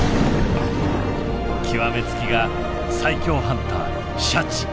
極め付きが最強ハンターシャチ。